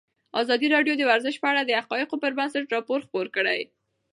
ازادي راډیو د ورزش په اړه د حقایقو پر بنسټ راپور خپور کړی.